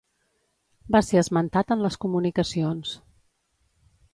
Va ser esmentat en les comunicacions.